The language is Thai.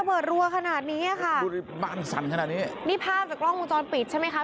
แบบไม่พักแอ้กระ